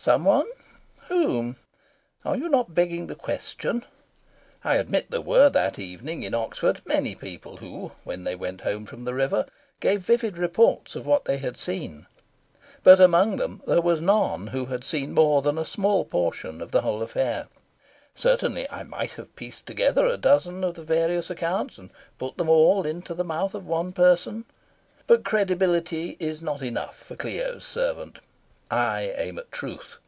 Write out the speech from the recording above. Some one? Whom? Are you not begging the question? I admit there were, that evening in Oxford, many people who, when they went home from the river, gave vivid reports of what they had seen. But among them was none who had seen more than a small portion of the whole affair. Certainly, I might have pieced together a dozen of the various accounts, and put them all into the mouth of one person. But credibility is not enough for Clio's servant. I aim at truth.